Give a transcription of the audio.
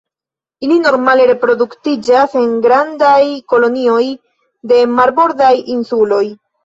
Ili normale reproduktiĝas en grandaj kolonioj de marbordaj insuloj.